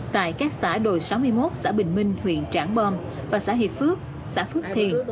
tại các xã đồi sáu mươi một xã bình minh huyện trảng bom và xã hiệp phước xã phước thiền